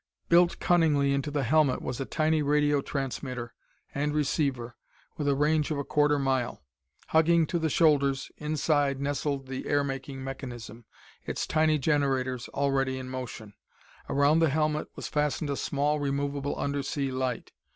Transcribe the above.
Built cunningly into the helmet was a tiny radio transmitter and receiver, with a range of a quarter mile; hugging to the shoulders, inside nestled the air making mechanism, its tiny generators already in motion. Around the helmet was fastened a small removable undersea light.